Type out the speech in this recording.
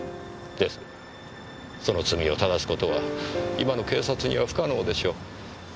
ですがその罪をただす事は今の警察には不可能でしょう。